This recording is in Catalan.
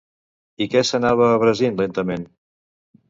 I què s'anava abrasint lentament?